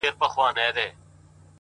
o څه مي ارام پرېږده ته،